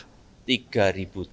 alokasi yang berasal dari dki jakarta